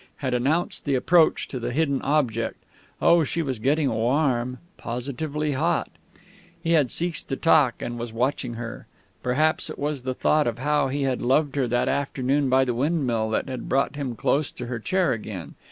had announced the approach to the hidden object. Oh, she was getting warm positively hot.... He had ceased to talk, and was watching her. Perhaps it was the thought of how he had loved her that afternoon by the windmill that had brought him close to her chair again.